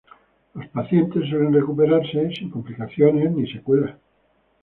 Los pacientes suelen recuperarse sin complicaciones ni secuelas.